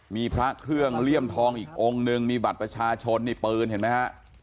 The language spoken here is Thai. มีพระเครื่องเลี่ยมทองอีกองค์นึงมีบัตรประชาชนนี่ปืนเห็นไหมฮะ